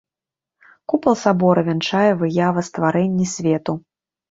Купал сабора вянчае выява стварэнні свету.